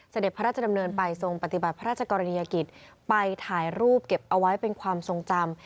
เสด็จพระราชดำเนินไปทรงปฏิบัติพระราชกรณียกิจไปถ่ายรูปเก็บเอาไว้เป็นความทรงจำ